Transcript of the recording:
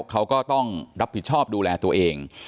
เขาก็ต้องรับผิดชอบดูแลตัวเอง